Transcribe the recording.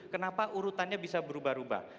kenapa urutannya bisa berubah ubah